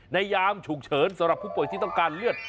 ยามฉุกเฉินสำหรับผู้ป่วยที่ต้องการเลือด